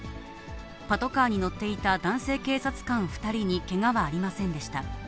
パトカーに乗っていた男性警察官２人にけがはありませんでした。